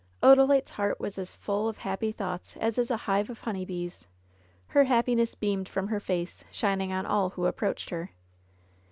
Odalite's heart was as full of happy thoughts as is a hive of honey bees. Her happiness beamed from her face, shining on all who approached her.